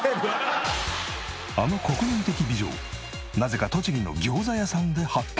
あの国民的美女をなぜか栃木の餃子屋さんで発見。